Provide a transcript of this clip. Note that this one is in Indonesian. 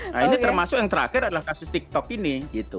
nah ini termasuk yang terakhir adalah kasus tiktok ini gitu